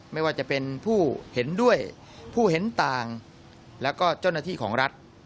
ไม่ว่าจะเป็นผู้เห็นด้วยผู้เห็นต่างแล้วก็เจ้าหน้าที่ของรัฐ